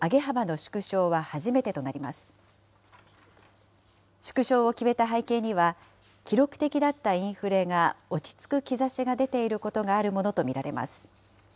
縮小を決めた背景には、記録的だったインフレが落ち着く兆しが出ていることがあるものと見られます。